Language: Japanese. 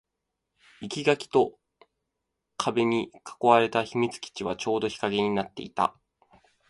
生垣と壁に囲われた秘密基地はちょうど日陰になっていた